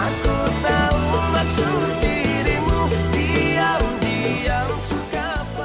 tiaw tiaw suka padaku